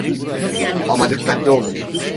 Ama dikkatli olun.